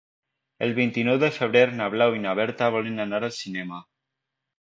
El vint-i-nou de febrer na Blau i na Berta volen anar al cinema.